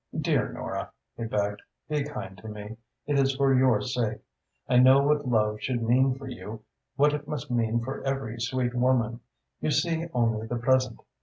"Dear Nora," he begged, "be kind to me. It is for your sake. I know what love should mean for you, what it must mean for every sweet woman. You see only the present.